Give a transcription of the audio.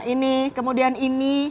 ini kemudian ini